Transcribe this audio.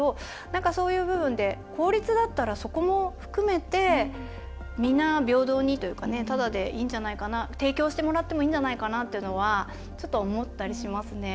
なんかそういう部分で公立だったら、そこも含めて皆、平等にというかねタダでいいんじゃないかな提供してもらってもいいんじゃないかなというのはちょっと思ったりしますね。